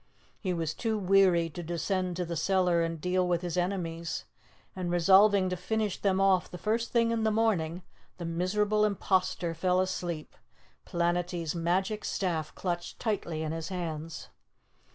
He was too weary to descend to the cellar and deal with his enemies, and resolving to finish them off the first thing in the morning, the miserable imposter fell asleep, Planetty's magic staff clutched tightly in his hands.